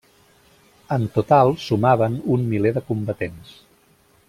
En total sumaven un miler de combatents.